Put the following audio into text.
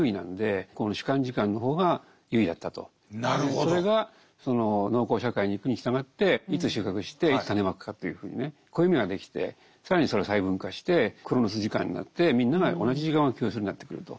それがその農耕社会に行くに従っていつ収穫していつ種まくかというふうにね暦ができて更にそれを細分化してクロノス時間になってみんなが同じ時間を共有するようになってくると。